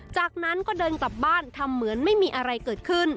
จากนั้นก็เดินกลับบ้านทำเหมือนไม่มีอะไรเกิดขึ้น